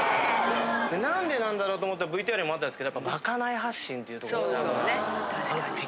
何でなんだろうと思ってＶＴＲにもあったんですけどまかない発信というところがたぶん。